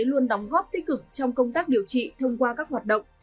luôn đóng góp tích cực trong công tác điều trị thông qua các hoạt động